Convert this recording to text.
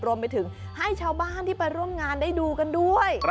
รวมไปถึงให้ชาวบ้านที่ไปร่วมงานได้ดูกันด้วย